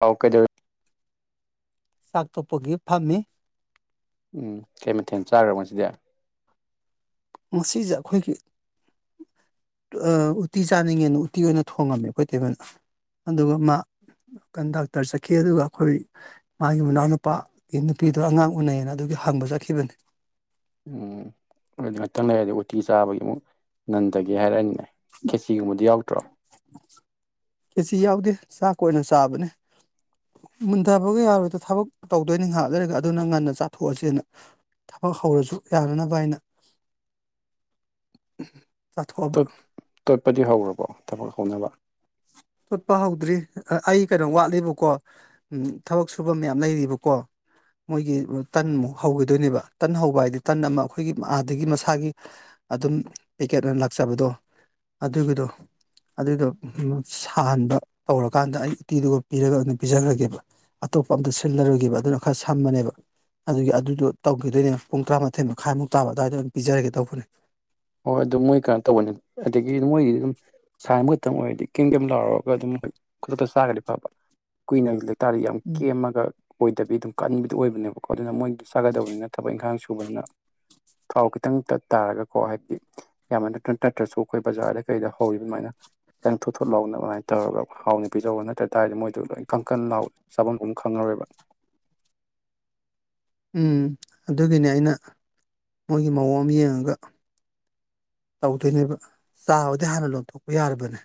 ꯑꯣ ꯀꯩꯗꯧꯔꯦ ꯆꯥꯛ ꯇꯣꯛꯄꯒꯤ ꯐꯝꯃꯤ꯫ ꯎꯝ ꯀꯩ ꯃꯊꯦꯜ ꯆꯥꯈ꯭ꯔꯕ ꯉꯁꯤꯗꯤ꯫ ꯉꯁꯤꯁꯦ ꯑꯩꯈꯣꯏꯒꯤ ꯑ ꯎꯇꯤ ꯆꯥꯅꯤꯡꯉꯦꯅ ꯎꯇꯤ ꯑꯣꯏꯅ ꯊꯣꯡꯉꯝꯃꯦ ꯑꯩꯈꯣꯏ ꯇꯩꯃꯥꯅ꯫ ꯑꯗꯨꯒ ꯃꯥ ꯀꯟ ꯗꯥꯛꯇꯔ ꯆꯠꯈꯤ ꯑꯗꯨꯒ ꯑꯩꯈꯣꯏ ꯃꯥꯒꯤ ꯃꯅꯥꯎꯅꯨꯄꯥꯒꯤ ꯅꯨꯄꯤꯗꯣ ꯑꯉꯥꯡ ꯎꯅꯩꯌꯦꯅ ꯑꯗꯨꯒꯤ ꯍꯪꯕ ꯆꯠꯈꯤꯕꯅꯤ꯫ ꯑꯗꯨ ꯉꯥꯛꯇꯪ ꯂꯩꯔꯗꯤ ꯎꯇꯤ ꯆꯥꯕꯒꯤ ꯑꯃꯨꯛ ꯅꯟꯒꯦ ꯍꯥꯏꯔꯛꯑꯅꯤꯅꯦ ꯈꯦꯆꯤꯒꯨꯝꯕꯗꯤ ꯌꯥꯎꯗ꯭ꯔꯣ? ꯀꯦꯁꯤ ꯌꯥꯎꯗꯦ ꯆꯥꯛ ꯑꯣꯏꯅ ꯆꯥꯕꯅꯦ꯫ ꯃꯨꯟꯊꯕꯒ ꯌꯥꯔꯣꯏꯗ ꯊꯕꯛ ꯇꯧꯗꯣꯏꯅꯤ ꯉꯥꯏꯍꯥꯛ ꯂꯩꯔꯒ ꯑꯗꯨꯅ ꯉꯟꯅ ꯆꯥꯊꯣꯛꯑꯁꯦꯅ꯫ ꯊꯕꯛ ꯍꯧꯔꯁꯨ ꯌꯥꯅꯅꯕ ꯍꯥꯏꯅ꯫ ꯎꯝ ꯆꯊꯣꯛꯑꯕ꯫ ꯇꯣꯠ ꯇꯣꯠꯄꯗꯤ ꯍꯧꯔꯕꯣ ꯊꯕꯛ ꯍꯧꯅꯕ꯫ ꯇꯣꯠꯄ ꯍꯧꯗ꯭ꯔꯤ ꯑꯩ ꯀꯩꯅꯣ ꯋꯥꯠꯂꯤꯕꯀꯣ꯫ ꯎꯝ ꯊꯕꯛ ꯁꯨꯕ ꯃꯌꯥꯝ ꯂꯩꯔꯤꯕꯀꯣ꯫ ꯃꯣꯏꯒꯤ ꯇꯟꯃꯨꯛ ꯍꯧꯒꯗꯣꯏꯅꯦꯕ ꯇꯟ ꯍꯧꯕ ꯍꯥꯏꯗꯤ ꯇꯟ ꯑꯃ ꯑꯩꯈꯣꯏꯒꯤ ꯑꯥꯗꯒꯤ ꯃꯁꯥꯒꯤ ꯑꯗꯨꯝ ꯄꯦꯛꯀꯦꯠ ꯑꯣꯏꯅ ꯂꯥꯛꯆꯕꯗꯣ ꯑꯗꯨꯒꯤꯗꯣ ꯑꯗꯨꯒꯤꯗꯣ꯫ ꯁꯥꯍꯟꯥꯕ ꯇꯧꯔꯀꯥꯟꯗ ꯑꯩ ꯎꯇꯤꯗꯨꯒ ꯄꯤꯔꯒ ꯑꯗꯨꯝ ꯄꯤꯖꯈ꯭ꯔꯒꯦꯕ꯫ ꯑꯇꯣꯞꯄ ꯑꯝꯇ ꯁꯤꯜꯂꯔꯣꯏꯒꯦꯕ ꯑꯗꯨꯅ ꯈꯔ ꯁꯝꯕꯅꯦꯕ꯫ ꯑꯗꯨꯒꯤ ꯑꯗꯨꯗꯣ ꯇꯧꯈꯤꯗꯣꯏꯅꯦ ꯄꯨꯡ ꯇꯔꯥꯃꯥꯊꯣꯏ ꯃꯈꯥꯏꯃꯨꯛ ꯇꯥꯕ ꯑꯗꯨꯋꯥꯏꯗ ꯑꯣꯏꯅ ꯄꯤꯖꯔꯒꯦ ꯇꯧꯕꯅꯦ꯫ ꯍꯣꯏ ꯑꯗꯨꯝ ꯃꯣꯏ ꯀꯩꯅꯣ ꯇꯧꯕꯅꯤ ꯑꯗꯒꯤ ꯃꯣꯏꯒꯤ ꯑꯗꯨꯝ ꯁꯥꯍꯟꯕ ꯈꯤꯇꯪ ꯑꯣꯏꯔꯗꯤ ꯀꯩꯝ ꯀꯩꯝ ꯂꯥꯎꯔꯒ ꯑꯗꯨꯝ ꯃꯣꯏ ꯈꯨꯗꯛꯇ ꯆꯥꯒꯗꯤ ꯐꯕ ꯀꯨꯏꯅ ꯇꯥꯔ ꯌꯥꯝ ꯎꯝ ꯀꯦꯝꯃꯒ ꯑꯣꯏꯗꯕꯤ ꯑꯗꯨꯝ ꯀꯟꯕꯗꯨ ꯑꯣꯏꯕꯅꯦꯕꯀꯣ ꯑꯗꯨꯅ ꯃꯣꯏ ꯆꯥꯒꯗꯕꯅꯤꯅ ꯊꯕꯛ ꯏꯪꯈꯥꯡ ꯁꯨꯕꯅꯤꯅ ꯊꯥꯎ ꯈꯤꯇꯪ ꯇꯥꯔꯒꯀꯣ ꯍꯥꯏ ꯌꯥꯝ ꯅꯠꯇ꯭ꯔꯅ ꯇꯠꯇ꯭ꯔꯁꯨ ꯑꯩꯈꯣꯏ ꯕꯖꯥꯔꯗ ꯀꯩꯗ ꯍꯧꯋꯤ ꯑꯗꯨꯃꯥꯏꯅ ꯪ ꯊꯣꯠ ꯊꯣꯠ ꯂꯥꯎꯅꯕ ꯑꯗꯨꯃꯥꯏꯅ ꯇꯧꯔꯒ ꯍꯥꯎꯅ ꯄꯤꯖꯧꯕ ꯅꯠꯇ꯭ꯔ ꯇꯥꯔꯗꯤ ꯃꯣꯏꯗꯨ ꯂꯣꯏ ꯀꯪꯀꯟ ꯂꯥꯎꯋꯏ ꯆꯥꯄꯣꯟꯐꯝ ꯈꯪꯉꯔꯣꯏꯕ ꯎꯝ ꯑꯗꯨꯒꯤꯅꯤ ꯑꯩꯅ ꯃꯣꯏꯒꯤ ꯃꯑꯣꯡ ꯑꯃ ꯌꯦꯡꯉꯒ ꯇꯧꯗꯣꯏꯅꯦꯕ ꯆꯥꯕꯗꯤ ꯍꯥꯟꯅ ꯂꯣꯟꯊꯣꯛꯄ ꯌꯥꯔꯕꯅꯦ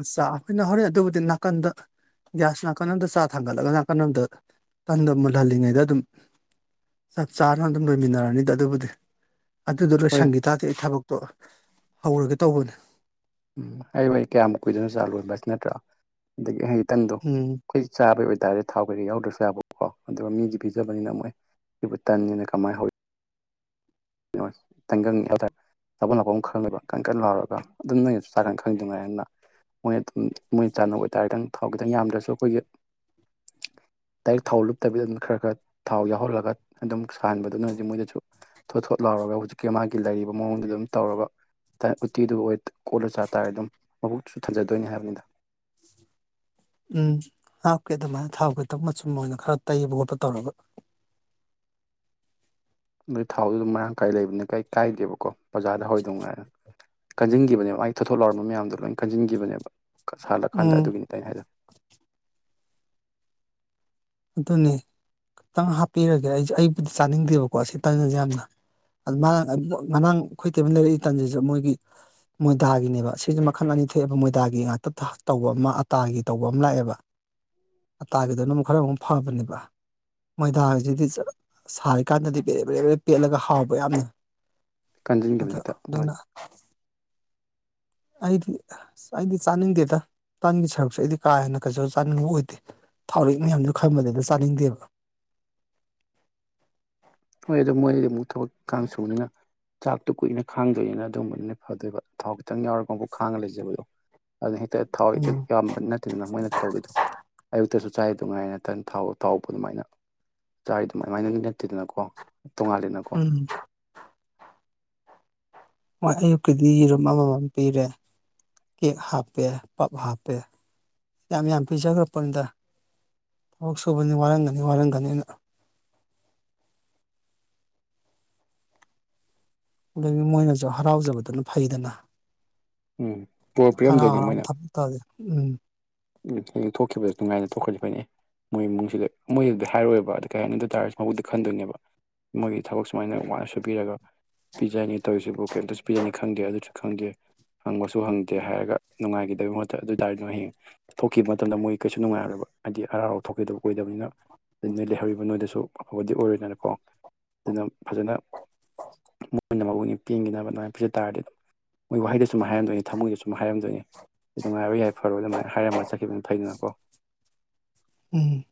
ꯎ ꯆꯥ ꯑꯩꯈꯣꯏꯅ ꯍꯧꯔꯛꯦ ꯑꯗꯨꯕꯨꯗꯤ ꯅꯥꯀꯟꯗ ꯒ꯭ꯌꯥꯁ ꯅꯥꯀꯟꯝꯗ ꯆꯥ ꯊꯥꯡꯒꯠꯂꯒ ꯅꯥꯀꯟ ꯑꯝꯗ ꯀꯟꯗ ꯃꯨꯜꯍꯜꯂꯤꯉꯩꯗ ꯑꯗꯨꯝ ꯆꯞ ꯆꯥꯅ ꯑꯗꯨꯝ ꯂꯣꯏꯃꯤꯟꯅꯔꯅꯤꯗ ꯑꯗꯨꯕꯨꯗꯤ ꯑꯗꯨꯗꯨꯅꯣꯏ ꯍꯣꯏ ꯁꯪꯒꯤꯇꯥꯗꯤ ꯑꯩ ꯊꯕꯛꯇꯣ ꯍꯧꯔꯒ ꯇꯧꯕꯅꯤ ꯎꯝ ꯑꯩ ꯋꯥ ꯀꯌꯥꯝ ꯀꯨꯏꯗꯅ ꯆꯥ ꯂꯣꯏꯕ ꯍꯥꯏꯁꯤ ꯅꯠꯇ꯭ꯔꯥ ꯑꯗꯒꯤ ꯑꯩ ꯏꯇꯟꯗꯣ ꯎꯝ ꯑꯩꯈꯣꯏ ꯆꯥꯕꯩ ꯑꯣꯏꯕꯇꯥꯥꯔꯗꯤ ꯊꯥꯎ ꯀꯩꯀ ꯌꯥꯎꯗ꯭ꯔꯁꯨ ꯌꯥꯕꯀꯣ ꯑꯗꯨꯒ ꯃꯤꯗꯤ ꯄꯤꯖꯕꯅꯤꯅ ꯃꯣꯏ ꯏꯕꯨ ꯇꯟꯅꯤꯅ ꯀꯃꯥꯏꯅ ꯍꯧꯏ ꯇꯪꯒꯪ ꯍꯥꯏꯇꯥꯔꯦ ꯆꯥꯄꯠ ꯂꯥꯛꯄ ꯑꯃ ꯈꯪꯉꯕ ꯀꯟꯅ ꯂꯥꯎꯔꯒ ꯑꯗꯨꯝ ꯅꯪꯩꯅꯁꯨ ꯆꯥꯛꯀꯥꯟ ꯈꯪꯗꯉꯥꯏ ꯑꯪꯅ ꯃꯣꯏꯅ ꯑꯗꯨꯝ ꯃꯣꯏꯅ ꯆꯥꯟꯅꯕ ꯑꯣꯏꯇꯥꯔꯦꯪ ꯊꯥꯎ ꯈꯤꯇꯪ ꯌꯥꯝꯗ꯭ꯔꯁꯨ ꯑꯩꯈꯣꯏꯒꯤ ꯗꯥꯏꯔꯦꯛ ꯊꯥꯎ ꯂꯨꯞꯇꯕꯤꯗ ꯑꯗꯨꯝ ꯈꯔ ꯈꯔ ꯊꯥꯎ ꯌꯥꯎꯍꯜꯂꯒ ꯑꯗꯨꯝ ꯁꯥꯍꯟꯥꯟꯕꯗꯨꯅꯗꯤ ꯃꯣꯏꯗꯁꯨ ꯊꯣꯠ ꯊꯣꯠ ꯂꯥꯎꯔꯒ ꯍꯧꯖꯤꯛꯀꯤ ꯃꯥꯒꯤ ꯂꯩꯔꯤꯕ ꯃꯑꯣꯡꯗꯨ ꯑꯗꯨꯝ ꯇꯧꯔꯒ ꯎꯠꯇꯤꯗꯨ ꯑꯣꯏ ꯀꯣꯠꯂ ꯆꯥꯇꯥꯥꯔꯦ ꯑꯗꯨꯝ ꯃꯍꯕꯨꯛꯁꯨ ꯊꯟꯖꯗꯣꯏꯅꯤ ꯍꯥꯏꯕꯅꯤꯗ ꯎꯝ ꯍꯥꯞꯀꯦ ꯑꯗꯨꯃꯥꯏꯅ ꯊꯥꯎꯒꯦ ꯇꯧ ꯃꯆꯨꯝ ꯑꯣꯏꯅ ꯈꯔ ꯇꯩꯕ ꯈꯣꯠꯄ ꯇꯧꯔꯒ ꯑꯗꯨꯒꯤ ꯊꯥꯎꯗꯨꯣ ꯃꯔꯥꯡ ꯀꯥꯏ ꯂꯩꯕꯅ ꯀꯩ ꯀꯥꯏꯗꯦꯕꯀꯣ ꯕꯥꯔꯗ ꯍꯧꯔꯗꯧꯉꯥꯏꯅ ꯀꯟꯁꯤꯟꯈꯤꯕꯅꯦꯕ ꯃꯥꯒꯤ ꯊꯣꯊꯣꯛ ꯂꯧꯥꯎꯔꯝꯕ ꯃꯌꯥꯝꯗꯣ ꯂꯣꯏ ꯀꯟꯁꯤꯟꯈꯤꯕꯅꯦꯕ ꯁꯥꯍꯜꯂꯀꯥꯟꯗ ꯎꯝ ꯑꯗꯨꯒꯤꯅꯤ ꯇꯩꯅ ꯍꯥꯏꯗꯅꯦ ꯑꯗꯨꯅꯤ ꯈꯤꯇꯪ ꯍꯥꯞꯄꯤꯔꯒꯦ ꯑꯩ ꯑꯩꯕꯨꯗꯤ ꯆꯥꯅꯤꯡꯗꯦꯕꯀꯣ ꯁꯤ ꯇꯅꯁꯦ ꯌꯥꯝꯅ ꯑꯗꯨ ꯃꯥ ꯉꯔꯥꯡ ꯑꯩꯈꯣꯏ ꯇꯩꯕ ꯂꯩꯔꯛꯏ ꯇꯟꯁꯤꯁꯤ ꯃꯣꯏꯒꯤ ꯃꯣꯏꯗꯥꯒꯤꯅꯦꯕ ꯁꯤꯁꯨꯦ ꯃꯈꯜ ꯑꯅꯤ ꯊꯣꯛꯑꯦꯕ ꯃꯣꯏꯗꯥꯒꯤ ꯉꯥꯛꯇ ꯇꯧꯕ ꯑꯃ ꯑꯇꯥꯒꯤ ꯇꯧꯕ ꯑꯃ ꯂꯥꯛꯑꯦꯕ [inaudible] ꯑꯇꯥꯒꯤꯗꯣꯏꯅ ꯑꯃꯨꯛ ꯈꯔ ꯑꯃꯨꯛ ꯐꯕꯅꯦꯕ ꯃꯣꯏꯗꯥꯁꯤꯗꯤ ꯁꯥꯔꯤꯀꯥꯟꯗꯗꯤ ꯕꯦꯔꯦꯞ ꯦꯔꯦ ꯔꯦ ꯄꯦꯠꯂꯒ ꯍꯥꯎꯕ ꯌꯥꯝꯅ ꯀꯟꯁꯤꯟꯈꯤꯕꯅꯤ ꯑꯗ ꯍꯦꯛꯇ ꯃꯣꯏꯗꯤ ꯑꯗꯨꯅ ꯑꯩꯗꯤ ꯑꯩꯗꯤ ꯆꯥꯅꯤꯡꯗꯦꯗ ꯇꯟꯒꯤ ꯁꯔꯨꯛꯁꯦ ꯑꯩꯗꯤ ꯀꯥ ꯍꯦꯟꯅ ꯈꯖꯕ ꯆꯥꯅꯤꯡꯕ ꯑꯣꯏꯗꯦ ꯊꯥꯎꯔꯦꯛ ꯃꯌꯥꯝꯁꯨ ꯈꯪꯕꯗꯗ ꯆꯥꯅꯤꯡꯗꯦꯕ ꯍꯣꯏ ꯑꯗꯣ ꯃꯣꯏꯗꯤ ꯑꯃꯨꯛ ꯊꯕꯛ ꯀꯥꯡ ꯁꯨꯅꯤꯅ ꯆꯥꯛꯇꯣ ꯀꯨꯏꯅ ꯈꯥꯡꯗꯣꯏꯅꯤꯅ ꯑꯗꯨꯒꯝꯕꯕꯅꯤꯅ ꯐꯗꯣꯏꯕ ꯊꯥꯎ ꯈꯤꯇꯪ ꯌꯥꯎꯔꯒ ꯑꯃꯕꯨꯛ ꯈꯥꯡꯉ ꯂꯩꯖꯕꯗꯣ ꯑꯗꯨ ꯍ ꯊꯥꯎꯋꯥ ꯎꯝ ꯌꯥꯝ ꯅ ꯑꯗꯨꯅ ꯃꯣꯏꯅ ꯇꯧꯗꯣꯏꯗꯣ ꯑꯌꯨꯛꯇꯁꯨ ꯆꯥꯏ ꯑꯗꯨ ꯉꯥꯏꯅꯠꯇꯪ ꯊꯥꯎꯕ ꯑꯗꯨꯃꯥꯏꯅ ꯆꯥꯏ ꯑꯗꯨꯃꯥꯏ ꯑꯗꯨꯃꯥꯏꯪ ꯅꯠꯇꯦꯗꯅꯀꯣ ꯇꯣꯡꯉꯥꯂꯦꯗꯅꯀꯣ ꯎꯝ ꯍꯣꯏ ꯑꯌꯨꯛꯀꯤꯗꯤ ꯌꯦꯔꯨꯝ ꯑꯃꯃꯝ ꯄꯤꯔꯦ ꯀꯦꯛ ꯍꯥꯞꯄꯦ ꯄꯞ ꯍꯥꯞꯄꯦ ꯌꯥꯝ ꯌꯥꯝ ꯄꯤꯖꯈ꯭ꯔꯄꯅꯤꯗ ꯋꯛꯁꯨꯨꯕꯅꯤ ꯋꯥꯔꯝꯒꯅꯤ ꯋꯥꯔꯝꯒꯅꯤ ꯑꯩꯅ ꯑꯗꯒꯤ ꯃꯣꯏꯅꯁꯨ ꯍꯔꯥꯎꯖꯕꯗꯨꯅ ꯐꯩꯗꯅ ꯎꯝ ꯄꯣꯔ ꯍꯔꯥꯎ ꯄꯤꯔꯝꯗꯣꯏꯅꯦ ꯍꯔꯥꯎꯅ ꯊ ꯇꯥꯂꯦ ꯎꯝ ꯎꯝ ꯍꯌꯦꯡ ꯊꯣꯛꯈꯤꯕꯁꯨ ꯅꯨꯡꯉꯥꯏꯅ ꯇ ꯊꯣꯛꯈꯂꯤꯕꯅꯦ ꯃꯣꯏ ꯏꯃꯨꯡꯁꯤꯗ ꯃꯣꯏꯗꯗꯤ ꯍꯥꯏꯔꯣꯏꯕ ꯑꯗꯨ ꯀꯩ ꯍꯥꯏꯅ ꯑꯗꯨ ꯇꯥꯔꯁꯨ ꯃꯕꯨꯗ ꯈꯟꯗꯣꯏꯅꯦꯕ꯫ ꯃꯣꯏꯒꯤ ꯊꯕꯛ ꯁꯨꯃꯥꯏꯅ ꯋꯥꯅ ꯁꯨ ꯄꯔꯒ ꯄꯤꯖꯅꯤ ꯇꯧꯔꯤꯁꯤꯕꯨ ꯀꯩꯝꯇꯁꯨ ꯄꯤꯖꯅꯤ ꯈꯪꯗꯦ ꯑꯗꯨꯁꯨ ꯈꯪꯗꯦ ꯍꯪꯕꯁꯨ ꯍꯪꯗꯦ ꯍꯥꯏꯔꯒ ꯅꯨꯡꯉꯥꯏꯒꯗꯕꯒꯤ ꯃꯍꯨꯠꯇ ꯑꯗꯨ ꯇꯔꯗꯤ ꯅꯣꯏ ꯍꯌꯦꯡ ꯊꯣꯛꯈꯤꯕ ꯃꯇꯝꯗ ꯃꯣꯏ ꯀꯩꯁꯨ ꯅꯨꯡꯉꯥꯏꯦꯕ ꯍꯥꯏꯗꯤ ꯍꯔꯥꯎ ꯍꯔꯥꯎ ꯊꯣꯛꯈꯤꯗꯕ ꯑꯣꯏꯗꯕꯅꯤꯅ ꯅꯣꯏ ꯂꯩꯍꯧꯔꯤꯕ ꯅꯣꯏꯗꯁꯨ ꯑꯐꯕꯗꯤ ꯑꯣꯏꯔꯦꯗꯅꯀꯣ ꯑꯗꯨꯅ ꯐꯖꯅ ꯃꯣꯏꯅ ꯃꯕꯨꯛ ꯄꯦꯟꯈꯤꯅꯕ ꯑꯗꯨꯥꯏꯅ ꯄꯖ ꯇꯥꯔꯗꯤ ꯑꯗꯨꯝ ꯃꯣꯏ ꯋꯥꯍꯩꯗ ꯁꯨꯝ ꯍꯥꯏꯔꯝꯗꯣꯏꯅꯦ ꯊꯃꯣꯏꯗ ꯁꯨꯝ ꯍꯥꯏꯔꯝꯗꯣꯏꯅꯦ ꯉꯥꯏꯔꯣꯏ ꯌꯥꯏ ꯐꯔ ꯑꯗꯨꯃꯥꯏꯅ ꯍꯥꯏꯔꯃ ꯆꯠꯈꯤꯕꯗꯨꯅ ꯐꯩꯗꯅꯀꯣ ꯎꯝ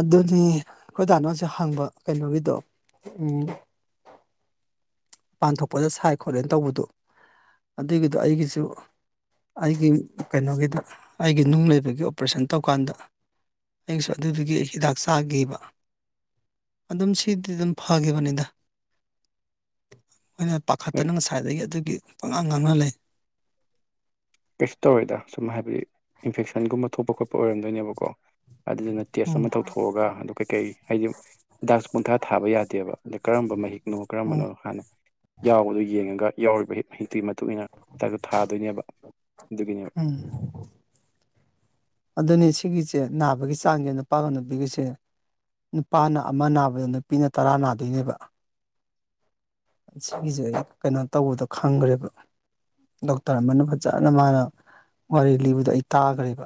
ꯑꯗꯨꯅꯤ ꯑꯩꯈꯣꯏ ꯗꯥꯥꯅꯣꯁꯨ ꯍꯪꯕ ꯀꯩꯅꯣꯒꯤꯗꯣ ꯄꯥꯟꯊꯣꯛꯄꯗ ꯁꯥꯏ ꯈꯣꯠꯂꯦꯅ ꯇꯧꯕꯗꯣ ꯑꯗꯨꯒꯤꯗꯣ ꯑꯩꯒꯤꯁꯨ ꯑꯩꯒꯤ ꯀꯩꯅꯣꯒꯤꯗ ꯑꯩꯒꯤ ꯅꯨꯡ ꯂꯩꯕꯒꯤ ꯑꯣꯄꯔꯦꯁꯟ ꯇꯧꯀꯥꯟꯗ ꯑꯩꯁꯨ ꯑꯗꯨꯗꯨꯒꯤ ꯑꯩ ꯍꯤꯗꯥꯛ ꯆꯥꯈꯤꯕ ꯑꯗꯨꯝ ꯁꯤꯗꯤ ꯑꯗꯨꯝ ꯐꯈꯤꯕꯅꯤꯗ ꯃꯣꯏꯅ ꯄꯥꯈꯠꯇꯅ ꯉꯁꯥꯏꯗꯒꯤ ꯑꯗꯨꯒꯤ ꯄꯉꯥꯡ ꯉꯥꯡꯅ ꯂꯩ ꯀꯩꯁꯨ ꯇꯧꯔꯦꯗ ꯁꯨꯝ ꯍꯥꯏꯕꯗꯤ ꯏꯟꯐꯦꯛꯁꯟꯒꯨꯝꯕ ꯊꯣꯛꯄ ꯈꯣꯠꯄ ꯑꯣꯏꯔꯝꯗꯣꯏꯅꯦꯕꯀꯣ ꯑꯗꯨꯗꯨꯅ ꯇꯦꯁ ꯑꯃ ꯎꯝ ꯇꯧꯊꯣꯛꯑꯒ ꯑꯗꯨ ꯀꯩꯀꯩ ꯍꯥꯏꯗꯤ ꯍꯤꯗꯥꯛꯁꯨ ꯄꯨꯡꯊꯥ ꯊꯥꯕ ꯌꯥꯗꯦꯕ ꯑꯗ ꯀꯔꯝꯕ ꯃꯍꯤꯛꯅꯣ ꯎꯝ ꯀꯔꯝꯕꯅꯣ ꯍꯥꯟꯅ ꯌꯥꯎꯕꯗꯣ ꯌꯦꯡꯉꯒ ꯌꯥꯎꯔꯤꯕ ꯍꯤꯠ ꯍꯤꯠꯇꯨꯒꯤ ꯃꯇꯨꯡ ꯏꯟꯅ ꯍꯥꯏꯞꯇꯣ ꯊꯥꯗꯣꯏꯅꯦꯕ ꯑꯗꯨꯒꯤꯅꯦꯕ ꯎꯝ ꯑꯗꯨꯅꯦ ꯁꯤꯒꯤꯁꯦ ꯅꯥꯕꯒꯤ ꯆꯥꯡꯁꯦ ꯅꯨꯄꯥꯒ ꯅꯨꯄꯤꯒꯤꯁꯦ ꯅꯨꯄꯥꯅ ꯑꯃ ꯅꯥꯕꯗꯣ ꯅꯨꯄꯤꯅ ꯇꯔꯥ ꯅꯥꯗꯣꯏꯅꯦꯕ ꯁꯤꯒꯤꯁꯦ ꯑꯩ ꯀꯩꯅꯣ ꯇꯧꯕꯗꯣ ꯈꯪꯈ꯭ꯔꯦꯕ ꯗꯣꯛꯇꯔ ꯑꯃꯅ ꯐꯖꯅ ꯃꯥꯅ ꯋꯥꯔꯤ ꯂꯤꯕꯗꯣ ꯑꯩ ꯇꯥꯈ꯭ꯔꯦꯕ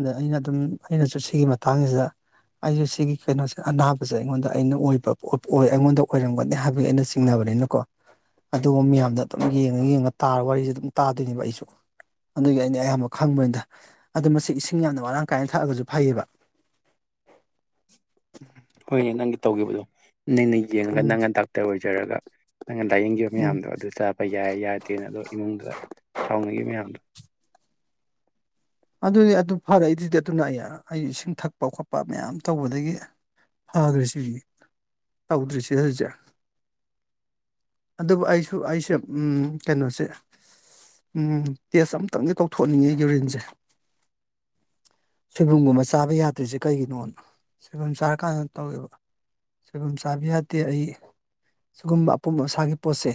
ꯑꯗ ꯑꯩꯅ ꯑꯗꯨꯝ ꯑꯩꯅꯁꯨ ꯁꯤꯒꯤ ꯃꯇꯥꯡꯁꯤꯗ ꯑꯩꯖꯨ ꯁꯤꯒꯤ ꯀꯩꯅꯣꯁꯦ ꯑꯅꯥꯕꯁꯦ ꯑꯩꯉꯣꯟꯗ ꯑꯩꯅ ꯑꯣꯏꯕ ꯑꯩꯉꯣꯟꯗ ꯑꯣꯏꯔꯝꯒꯅꯤ ꯍꯥꯏꯕꯒꯤ ꯑꯩꯅ ꯆꯤꯡꯅꯕꯅꯤꯅꯀꯣ ꯑꯗꯨꯒꯨꯝꯕ ꯃꯌꯥꯝꯗ ꯑꯗꯨꯝ ꯌꯦꯡꯉ ꯌꯦꯡꯉ ꯇꯥꯔ ꯋꯥꯔꯤꯁꯦ ꯑꯗꯨꯝ ꯇꯥꯗꯣꯏꯅꯦꯕ ꯑꯩꯁꯨ ꯑꯗꯨꯒꯤ ꯑꯩꯅ ꯑꯌꯥꯝꯕ ꯈꯪꯕꯅꯤꯗ ꯑꯗꯣ ꯃꯁꯤ ꯏꯁꯤꯡ ꯌꯥꯝꯅ ꯃꯔꯥꯡ ꯀꯥꯏꯅ ꯊꯛꯑꯒꯁꯨ ꯐꯩꯌꯦꯕ ꯍꯣꯏꯅꯦ ꯅꯪꯒꯤ ꯇꯧꯈꯤꯕꯗꯣ ꯅꯪꯅ ꯌꯦꯡꯉꯒ ꯎꯝ ꯅꯪꯅ ꯗꯥꯛꯇꯔ ꯑꯣꯏꯖꯔꯒ ꯅꯪꯅ ꯂꯥꯏꯌꯦꯡꯈꯤꯕ ꯎꯝ ꯃꯌꯥꯝꯗꯣ ꯑꯗꯨ ꯆꯥꯕ ꯌꯥꯏ ꯌꯥꯗꯦꯅ ꯑꯗꯣ ꯏꯃꯨꯡꯗꯪ ꯁꯥꯎꯅꯈꯤꯕ ꯃꯌꯥꯝꯗꯣ ꯑꯗꯨꯗꯤ ꯑꯗꯨ ꯐꯔꯦ ꯑꯗꯨꯗꯤ ꯑꯗꯨꯅ ꯑꯩ ꯑꯩ ꯏꯁꯤꯡ ꯊꯛꯄ ꯈꯣꯠꯄ ꯃꯌꯥꯝ ꯇꯧꯕꯗꯒꯤ ꯐꯒꯔꯤꯁꯤꯗꯤ ꯇꯧꯗ꯭ꯔꯤꯁꯤ ꯍꯧꯖꯤꯛ ꯑꯗꯨꯕꯨ ꯑꯩꯁꯨ ꯑꯩꯁꯦ ꯎꯝ ꯀꯩꯅꯣꯁꯦ ꯎꯝ ꯇꯦꯁ ꯑꯝꯇꯪꯗꯤ ꯇꯧꯊꯣꯛ ꯅꯤꯡꯉꯦ ꯌꯨꯔꯤꯟꯁꯦ ꯁꯣꯏꯕꯨꯝꯒꯨꯝꯕ ꯆꯥꯕ ꯌꯥꯗ꯭ꯔꯤꯁꯦ ꯀꯩꯒꯤꯅꯣꯅ ꯁꯣꯏꯕꯨꯝ ꯆꯥꯔꯀꯥꯟꯗ ꯇꯧꯋꯦꯕ ꯁꯣꯏꯕꯨꯝ ꯆꯥꯕ ꯌꯥꯗꯦ ꯑꯩ ꯁꯤꯒꯨꯝꯕ ꯑꯄꯨꯝ ꯑꯁꯥꯒꯤ ꯄꯣꯠꯁꯦ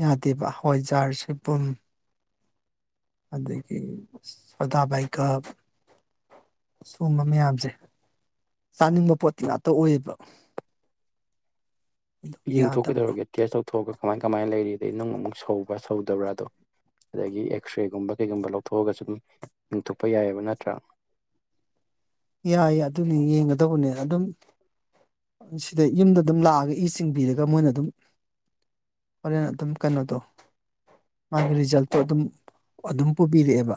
ꯌꯥꯗꯦꯕ ꯍꯋꯥꯏꯖꯥꯔ ꯁꯣꯏꯕꯨꯝ ꯑꯗꯒꯤ ꯁꯣꯗꯥꯕꯥꯏꯒꯥꯞ ꯁꯨꯝꯕ ꯃꯌꯥꯝꯁꯦ ꯆꯥꯅꯤꯡꯕ ꯄꯣꯠꯇꯤ ꯉꯥꯛꯇ ꯑꯣꯏꯌꯦꯕ ꯑꯗꯨ ꯌꯦꯡꯊꯣꯛꯑꯣ ꯌꯥꯗꯕ ꯀꯩꯗꯧꯔꯒꯦ ꯀꯦꯌꯦꯁ ꯇꯧꯊꯣꯛꯑꯒ ꯀꯃꯥꯏ ꯀꯃꯥꯏꯅ ꯂꯩꯔꯤꯗꯩ ꯅꯨꯡ ꯑꯃꯨꯛ ꯁꯧꯕ꯭ꯔ ꯁꯧꯗꯕ꯭ꯔꯥꯗꯣ ꯑꯗꯒꯤ ꯑꯦꯛꯁꯔꯦ ꯒꯨꯝꯕ ꯀꯩꯒꯨꯝꯕ ꯂꯧꯊꯣꯛꯑꯒꯁꯨ ꯑꯗꯨꯝ ꯌꯦꯡꯊꯣꯛꯄ ꯌꯥꯏꯑꯕ ꯅꯠꯇ꯭ꯔꯥ ꯌꯥꯏ ꯑꯗꯨꯅꯤ ꯌꯦꯡꯒꯗꯧꯕꯅꯤ ꯑꯗꯨꯝ ꯁꯤꯗ ꯌꯨꯝꯗ ꯑꯗꯨꯝ ꯂꯥꯛꯑꯒ ꯏ ꯆꯤꯡꯕꯤꯔꯒ ꯃꯣꯏꯅ ꯑꯗꯨꯝ ꯍꯣꯔꯦꯟ ꯑꯗꯨꯝ ꯀꯩꯅꯣꯗꯣ ꯃꯥꯒꯤ ꯔꯤꯖꯜꯇꯣ ꯑꯗꯨꯝ ꯑꯗꯨꯝ ꯄꯨꯕꯤꯔꯛꯑꯦꯕ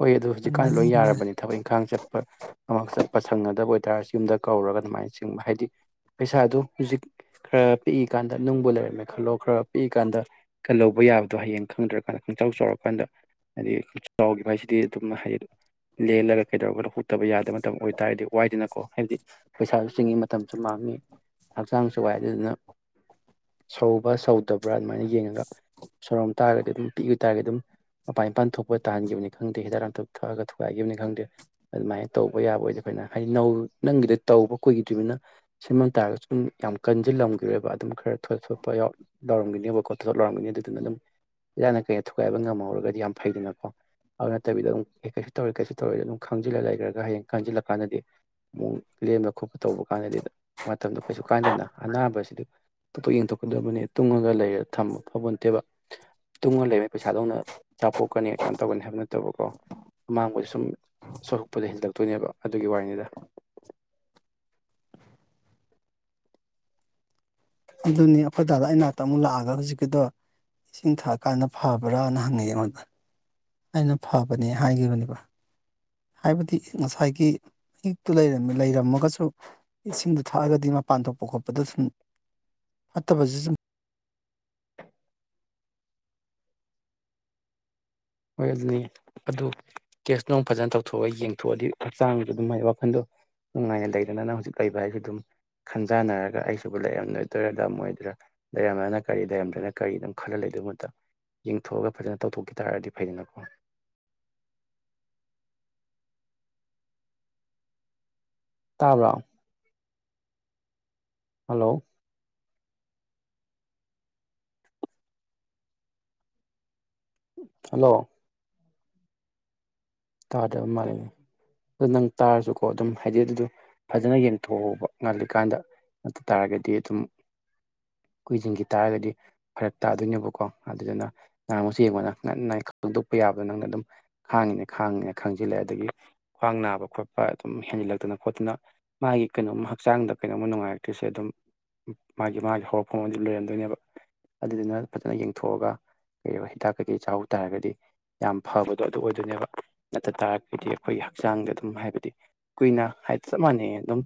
ꯍꯣꯏ ꯑꯗꯨ ꯍꯧꯖꯤꯛꯀꯥꯟꯗꯤ ꯑꯗꯨꯃꯥꯏꯅ ꯂꯣꯏ ꯌꯦꯡꯕ ꯌꯥꯏ ꯌꯥꯔꯕꯅꯦ ꯊꯕꯛ ꯏꯪꯈꯥꯡ ꯆꯠꯄ ꯑꯃ ꯆꯠꯄ ꯁꯪꯅꯗꯕ ꯑꯣꯏꯇꯥꯔꯁꯨ ꯌꯨꯝꯗ ꯀꯧꯔꯒ ꯑꯗꯨꯃꯥꯏꯅ ꯆꯤꯡꯕ ꯍꯥꯏꯗꯤ ꯄꯩꯁꯥꯗꯨ ꯍꯨꯖꯤꯛ ꯈꯔꯥ ꯄꯤꯛꯏꯀꯥꯟꯗ ꯅꯨꯡꯕꯨ ꯂꯩꯔꯝꯃꯦ ꯈꯜꯂꯣ ꯈꯔꯥ ꯄꯤꯛꯏꯀꯥꯟꯗ ꯀꯜꯂꯧꯕ ꯌꯥꯕꯗꯣ ꯍꯌꯦꯡ ꯈꯪꯗ꯭ꯔꯥ ꯀꯥꯟꯗ ꯈꯪꯆꯥꯎ ꯆꯥꯎꯔꯀꯥꯟꯗ ꯍꯥꯏꯗꯤ ꯈꯪꯆꯥꯎꯒꯤꯕ ꯍꯥꯏꯁꯤ ꯗꯤ ꯑꯗꯨꯝ ꯍꯩ ꯂꯦꯜꯂꯒꯥ ꯀꯩꯗꯧꯔꯒꯥ ꯇꯕ ꯌꯥꯗꯕ ꯃꯇꯝ ꯑꯣꯏꯇꯥꯥꯔꯗꯤ ꯋꯥꯏꯗꯅꯀꯣ ꯍꯥꯏꯕꯗꯤ ꯄꯩꯁꯥꯖꯨ ꯆꯤꯡꯉꯤ ꯃꯠ ꯇꯝꯁꯨ ꯃꯥꯡꯅꯤ ꯍꯛꯆꯥꯡꯁꯨ ꯋꯥꯏ ꯑꯗꯨꯗꯨꯅ ꯁꯧꯕ꯭ꯔꯥ ꯁꯧꯗꯕ꯭ꯔꯥ ꯑꯗꯨꯃꯥꯏꯅ ꯌꯦꯡꯉꯒꯥ ꯁꯧꯔꯝ ꯇꯥꯔꯒꯗꯤ ꯑꯗꯨꯝ ꯄꯤꯛ ꯏ ꯇꯔꯗꯤ ꯑꯗꯨꯝ ꯃꯄꯥꯟ ꯏꯄꯥꯟ ꯊꯣꯛꯄ ꯇꯥꯍꯟꯒꯤꯕꯅꯤ ꯈꯪꯗꯦ ꯍꯤꯗꯥꯛ ꯂꯥꯡꯊꯛ ꯊꯛꯑꯒ ꯊꯨꯒꯥꯏꯒꯤꯕꯅꯤ ꯈꯪꯗꯦ ꯑꯗꯨꯃꯥꯏꯅ ꯇꯧꯕ ꯌꯥꯕ ꯑꯣꯏꯗꯤ ꯐꯩꯗꯅ ꯍꯥꯏꯗꯤ ꯅꯧ ꯅꯪꯒꯤꯗꯤ ꯇꯧꯕ ꯀꯨꯏꯒꯤꯗ꯭ꯔꯤꯃꯤꯅ ꯁꯦꯝꯃꯝ ꯇꯥꯔꯒꯁꯨ ꯁꯨꯝ ꯌꯥꯝ ꯀꯟꯖꯤꯜ ꯂꯝꯒꯤꯔꯣꯏꯕ ꯑꯗꯨꯝ ꯈꯔ ꯊꯣꯠ ꯊꯣꯠꯄ ꯌꯥꯎ ꯅꯧꯔꯝꯒꯤꯅꯤ ꯅꯦꯕꯀꯣ ꯊꯣꯊꯣꯠ ꯂꯥꯎꯔꯝꯒꯤꯅꯤ ꯑꯗꯨꯗꯨꯅ ꯑꯗꯨꯝ ꯏꯔꯥꯡꯅ ꯀꯩꯅ ꯊꯨꯒꯥꯏꯕ ꯉꯝꯍꯧꯔꯒꯥꯗꯤ ꯌꯥꯝ ꯐꯩꯗꯅꯀꯣ ꯑꯥꯎ ꯅꯠꯇꯕꯤꯗ ꯑꯗꯨꯝ ꯀꯩꯁꯨ ꯇꯧꯔꯣꯏ ꯀꯩꯁꯨ ꯇꯧꯔꯣꯏ ꯑꯗꯨꯝ ꯈꯪꯖꯤꯜꯂꯒ ꯂꯩꯒ꯭ꯔꯥꯒ ꯍꯌꯦꯡ ꯀꯟꯖꯤꯜꯂꯛ ꯀꯥꯟꯗꯗꯤ ꯃꯨꯛ ꯂꯦꯝꯕ ꯈꯣꯠꯄ ꯇꯧꯕ ꯀꯥꯟꯗꯗꯤ ꯃꯇꯝꯗꯣ ꯀꯩꯁꯨ ꯀꯥꯟꯗꯦꯅ ꯑꯅꯥꯕꯁꯤꯗꯤ ꯊꯣꯠꯊꯣꯛ ꯌꯦꯡꯊꯣꯛꯀꯗꯕꯅꯦ ꯇꯨꯡꯉꯒ ꯂꯩꯔ ꯊꯝꯕ ꯐꯥꯕꯣꯟꯇꯦꯕ ꯇꯨꯡꯉ ꯂꯩꯔ ꯄꯩꯁꯥꯗꯧꯅ ꯆꯥꯄꯣꯛꯀꯥꯅꯤ ꯀꯩꯅꯣ ꯇꯧꯒꯅꯤ ꯍꯥꯏꯕ ꯅꯠꯇꯕꯀꯣ ꯑꯃꯥꯡꯕ ꯁꯨꯝ ꯁꯣꯔꯛꯄꯗ ꯍꯦꯟꯖꯤꯟꯂꯛꯇꯣꯏꯅꯦꯕ ꯑꯗꯨꯒꯤ ꯋꯥꯔꯤꯅꯤꯗ ꯑꯗꯨꯅꯤ ꯑꯈꯣꯏ ꯗꯥꯗꯣ ꯑꯩ ꯅꯥꯛꯇꯥ ꯑꯃꯨꯛ ꯂꯥꯛꯑꯒ ꯍꯧꯖꯤꯛꯀꯤꯗꯣ ꯏꯁꯤꯡ ꯊꯛꯑꯀꯥꯟꯗ ꯐꯕ꯭ꯔꯥꯅ ꯍꯉꯛꯑꯦ ꯑꯩꯉꯣꯟꯗ ꯑꯩꯅ ꯐꯕꯅꯦ ꯍꯥꯏꯒꯤꯕꯅꯦꯕ ꯍꯥꯏꯕꯗꯤ ꯉꯁꯥꯏꯒꯤ ꯍꯤꯛꯇꯨ ꯂꯩꯔꯝꯃꯤ ꯂꯩꯔꯝꯃꯒꯥꯁꯨ ꯏꯁꯤꯡꯗꯨ ꯊꯛꯑꯒꯗꯤ ꯃꯄꯥꯟ ꯊꯣꯛꯄ ꯈꯣꯠꯄꯗꯣ ꯁꯨꯝ ꯐꯠꯇꯕꯖꯤ ꯁꯨꯝ ꯍꯣꯏ ꯑꯗꯨꯅꯤ ꯑꯗꯨ ꯀꯦꯁ ꯅꯨꯡ ꯐꯖꯅ ꯇꯧꯊꯣꯛꯑ ꯌꯦꯡꯊꯣꯛꯑꯗꯤ ꯍꯛꯆꯥꯡꯖꯨ ꯑꯗꯨꯝ ꯃꯥꯏ ꯋꯥꯈꯟꯗꯣ ꯅꯨꯡꯉꯥꯏꯅ ꯂꯩꯗꯅ ꯅꯪ ꯍꯧꯖꯤꯛ ꯂꯩꯕ ꯍꯥꯏꯖꯤ ꯑꯗꯨꯝ ꯈꯟꯖꯥꯟꯅꯔꯒ ꯑꯩꯁꯨꯕꯨ ꯂꯩꯔꯝ ꯅꯣꯏꯗꯣꯏꯔ ꯗꯝꯃꯣꯏꯗ꯭ꯔꯥ ꯂꯩꯔꯝꯃꯅ ꯀꯔꯤ ꯂꯩꯔꯝꯗꯔꯥꯅ ꯀꯔꯤ ꯑꯗꯨꯝ ꯈꯜꯂ ꯂꯩꯗꯣ ꯃꯍꯨꯠꯇꯥ ꯌꯦꯡꯊꯣꯛꯑꯒ ꯐꯖꯅ ꯇꯧꯊꯣꯛꯈꯤ ꯇꯥꯔꯗꯤ ꯐꯩꯗꯅ ꯀꯣ ꯇꯥꯕ꯭ꯔꯣ ꯍꯜꯂꯣ ꯍꯜꯂꯣ ꯇꯥꯗꯕ ꯃꯥꯜꯂꯤ ꯑꯗꯨ ꯅꯪ ꯇꯥꯔꯁꯨꯀꯣ ꯑꯗꯨꯝ ꯍꯥꯏꯗꯤ ꯑꯗꯨꯗꯣ ꯐꯖꯅ ꯌꯦꯡꯊꯣꯛꯍꯧꯕ ꯉꯜꯂꯤꯀꯥꯟꯗ ꯑꯗꯨ ꯇꯥꯔꯒꯥꯗꯤ ꯑꯗꯨꯝ ꯀꯨꯏꯖꯤꯟꯒꯤ ꯇꯥꯔꯒꯥꯗꯤ ꯐꯔꯛ ꯇꯥꯗꯣꯏꯅꯦꯕꯀꯣ ꯑꯗꯨꯗꯨꯅ ꯉꯍꯥꯃꯨꯛꯁꯨ ꯌꯦꯡꯉꯣ ꯅꯪ ꯉꯟꯅ ꯈꯪꯗꯣꯛꯄ ꯌꯥꯕꯗꯣ ꯅꯪꯅ ꯑꯗꯨꯝ ꯈꯥꯡꯉꯤꯅꯦ ꯈꯥꯡꯉꯦ ꯈꯥꯡꯖꯤꯜꯂꯦ ꯑꯗꯒꯤ ꯈ꯭ꯋꯥꯡ ꯅꯥꯕ ꯈꯣꯠꯄ ꯑꯗꯨꯝ ꯍꯦꯟꯖꯤꯜꯂꯛꯇꯅ ꯈꯣꯠꯇꯅ ꯃꯥꯒꯤ ꯀꯩꯅꯣꯝꯃ ꯍꯛꯆꯥꯡꯗ ꯀꯩꯅꯣꯝꯃ ꯅꯨꯡꯉꯥꯏꯔꯛꯇ꯭ꯔꯤꯁꯦ ꯑꯗꯨꯝ ꯃꯥꯒꯤ ꯃꯥꯒꯤ ꯍꯧꯔꯛꯐꯝ ꯑꯗꯨꯝ ꯂꯩꯔꯝꯗꯣꯏꯅꯦꯕ ꯑꯗꯨꯗꯨꯅ ꯐꯖꯅ ꯌꯦꯡꯊꯣꯛꯑꯒ ꯏꯔꯤꯕ ꯍꯤꯗꯥꯛ ꯀꯩꯀꯩ ꯆꯥꯎ ꯇꯥꯔꯒꯥꯗꯤ ꯌꯥꯝ ꯐꯕꯗꯣ ꯑꯗꯨ ꯑꯣꯏꯗꯣꯏꯅꯦꯕ ꯅꯠꯇꯥ ꯇꯥꯔꯒꯥꯗꯤ ꯑꯈꯣꯏꯒꯤ ꯍꯛꯆꯥꯡꯗ ꯑꯗꯨꯝ ꯍꯥꯏꯕꯗꯤ ꯀꯨꯏꯅ ꯍꯥꯏꯗꯤ ꯆꯞ ꯃꯥꯟꯅꯩ ꯑꯗꯨꯝ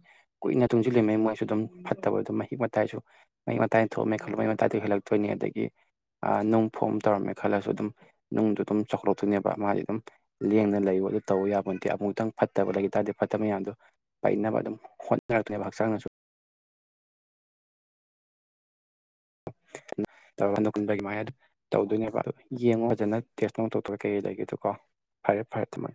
ꯀꯨꯏꯅ ꯇꯨꯡꯖꯤꯜꯂꯤꯃꯩ ꯃꯣꯏꯁꯨ ꯑꯗꯨꯝ ꯐꯠꯇꯕ ꯑꯗꯨꯝ ꯃꯍꯤꯛ ꯃꯇꯥꯏꯁꯨ ꯃꯍꯤꯛ ꯃꯇꯥꯏꯅ ꯊꯣꯛꯑꯝꯃꯦ ꯈꯜꯂꯣ ꯃꯩ ꯃꯇꯥꯏꯗꯩ ꯍꯦꯜꯂꯛꯇꯣꯏꯅꯤ ꯑꯗꯒꯤ ꯑꯥ ꯅꯨꯡ ꯐꯣꯝ ꯇꯧꯔꯝꯃꯦ ꯈꯜꯂꯁꯨ ꯑꯗꯨꯝ ꯅꯨꯡꯗꯣ ꯑꯗꯨꯝ ꯆꯥꯎꯈꯠꯂꯛꯇꯣꯏꯅꯦꯕ ꯃꯥꯗꯤ ꯑꯗꯨꯝ ꯂꯦꯡꯗꯅ ꯂꯩꯌꯨ ꯑꯗꯨ ꯇꯧꯕ ꯌꯥꯄꯣꯟꯇꯦ ꯑꯃꯨꯛꯇꯪ ꯐꯠꯇꯕ ꯂꯩꯒꯤ ꯇꯥꯔꯗꯤ ꯐꯠꯇꯕ ꯃꯌꯥꯝꯗꯣ ꯄꯩꯅꯕ ꯑꯗꯨꯝ ꯍꯣꯠꯅꯈꯔꯦꯕ ꯍꯛꯆꯥꯡꯅꯁꯨ [inaudible] ꯀꯨꯟꯕꯒꯤ ꯃꯥꯏ ꯑꯗꯨ ꯇꯧꯗꯣꯏꯅꯦꯕ ꯑꯗꯨ ꯌꯦꯡꯉꯣ ꯐꯖꯅ ꯇꯦꯁ ꯅꯨꯡ ꯇꯧꯊꯣꯛꯑꯥꯒ ꯀꯩ ꯂꯩꯒꯦꯗꯣ ꯀꯣ ꯐꯔꯦ ꯐꯔꯦ ꯊꯝꯃꯥ